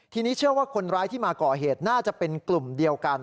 ทีนี้เชื่อว่าคนร้ายที่มาก่อเหตุน่าจะเป็นกลุ่มเดียวกัน